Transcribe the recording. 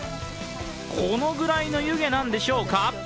このぐらいの湯気なんでしょうか？